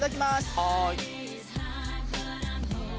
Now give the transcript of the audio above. はい。